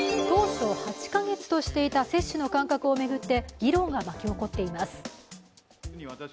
当初、８カ月としていた接種の間隔を巡って議論が巻き起こっています。